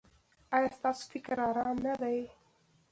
ایا ستاسو فکر ارام نه دی؟